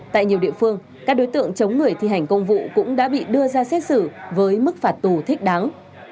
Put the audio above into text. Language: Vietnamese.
tại nhiều địa phương các đối tượng chống người thi hành công vụ cũng đã bị đưa ra xét xử với mức phạt tù thích đáng